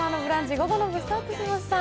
午後の部スタートしました。